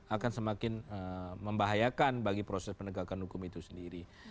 akan semakin membahayakan bagi proses penegakan hukum itu sendiri